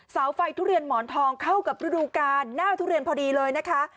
เสาไฟทุเรียนหมอนทองเข้ากับฤดูการหน้าทุเรียนพอดีเลยนะคะ